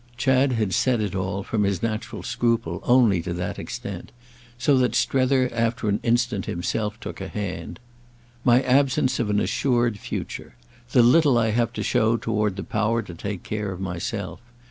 Chad had said it all, from his natural scruple, only to that extent; so that Strether after an instant himself took a hand. "My absence of an assured future. The little I have to show toward the power to take care of myself.